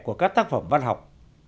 của các tác phẩm văn học